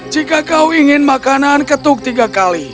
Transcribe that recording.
jika kau ingin makanan ketuk tiga kali